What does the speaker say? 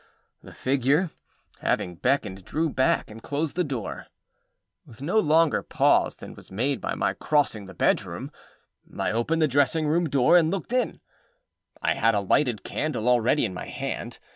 The figure, having beckoned, drew back, and closed the door. With no longer pause than was made by my crossing the bedroom, I opened the dressing room door, and looked in. I had a lighted candle already in my hand.